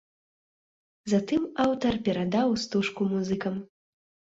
Затым аўтар перадаў стужку музыкам.